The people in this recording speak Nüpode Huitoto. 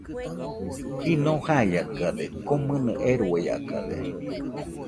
Jɨno baiakade, komɨnɨ eruaiakade.